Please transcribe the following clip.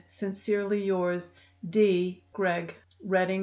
"Sincerely yours, "D. McM. GREGG. "Reading, Pa.